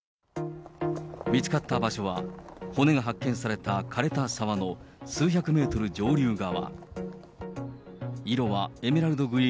見つかった場所は、骨が発見されたかれた沢の数百メートル上流側。